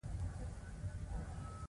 اسلام د کور دننه مشورې ته ارزښت ورکوي.